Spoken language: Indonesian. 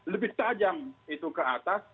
lebih tajam ke atas